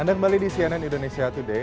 anda kembali di cnn indonesia today